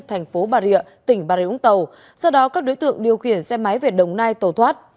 thành phố bà rịa tỉnh bà rịa úng tàu sau đó các đối tượng điều khiển xe máy về đồng nai tổ thoát